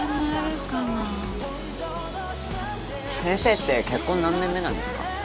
先生って結婚何年目なんですか？